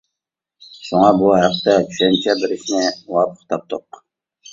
شۇڭا بۇ ھەقتە چۈشەنچە بېرىشنى مۇۋاپىق تاپتۇق.